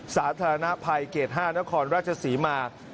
สาธารณภัยเขต๕นครราชศรีมา